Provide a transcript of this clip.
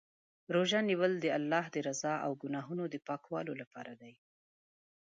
روژه نیول د الله د رضا او ګناهونو د پاکولو لپاره دی.